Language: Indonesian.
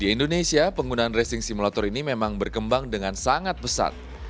di indonesia penggunaan racing simulator ini memang berkembang dengan sangat pesat